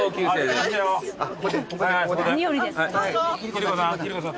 貴理子さん。